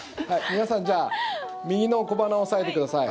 皆さん、じゃあ右の小鼻を押さえてください。